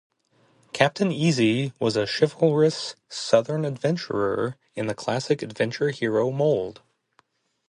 Captain Easy was a chivalrous Southern adventurer in the classic adventure-hero mold.